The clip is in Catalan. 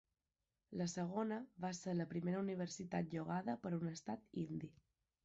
La segona va ser la primera universitat llogada per un Estat indi.